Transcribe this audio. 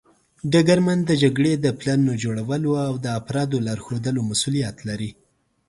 ډګرمن د جګړې د پلانونو جوړولو او د افرادو لارښودلو مسوولیت لري.